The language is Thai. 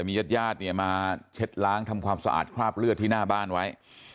มีญาติญาติเนี่ยมาเช็ดล้างทำความสะอาดคราบเลือดที่หน้าบ้านไว้